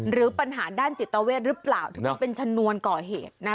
หรือปัญหาด้านจิตเวทหรือเปล่าถึงเป็นชนวนก่อเหตุนะ